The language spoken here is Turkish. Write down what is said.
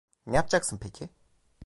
Ne yapacaksın peki?